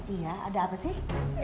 iya ada apa sih